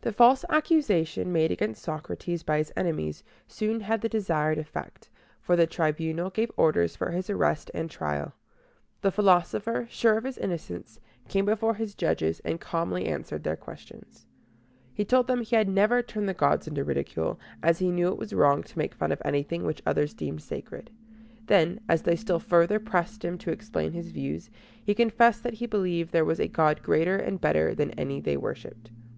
The false accusation made against Socrates by his enemies soon had the desired effect, for the Tribunal gave orders for his arrest and trial. The philosopher, sure of his innocence, came before his judges, and calmly answered their questions. He told them he had never turned the gods into ridicule, as he knew it was wrong to make fun of anything which others deemed sacred. Then, as they still further pressed him to explain his views, he confessed that he believed there was a God greater and better than any they worshiped.